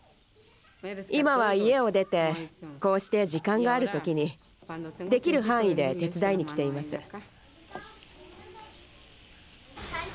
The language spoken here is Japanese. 今は家を出てこうして時間がある時にできる範囲で手伝いに来ています。